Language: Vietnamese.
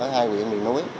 hai quyện bị núi